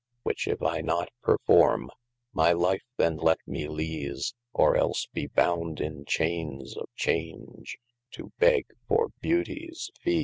Which if I not perfourme, my life then let me leese, Or else be bound in chaines of change, to begge for beuties feese.